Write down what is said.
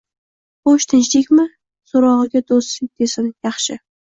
“Xo’sh, tinchlikmi?” — so’rog’iga do’st desin: “Yaxshi!”